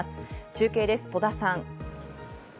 中継です、戸田さん。